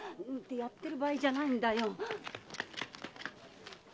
って場合じゃないんだよ。